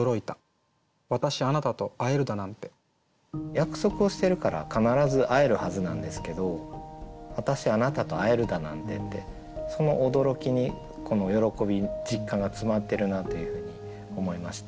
約束をしてるから必ず会えるはずなんですけど「わたしあなたと会えるだなんて」ってその驚きにこの喜び実感が詰まってるなというふうに思いました。